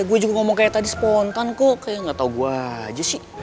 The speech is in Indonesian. gue juga ngomong kayak tadi spontan kok kayak gak tau gue aja sih